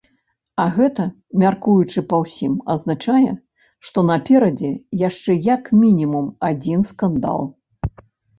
А гэта, мяркуючы па ўсім, азначае, што наперадзе яшчэ як мінімум адзін скандал.